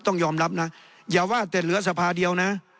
ต้องยอมรับนะอย่าว่าแต่เหลือสภาเดียวนะ